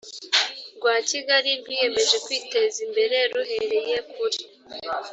rwa kigali rwiyemeje kwiteza imbere ruhereye kuri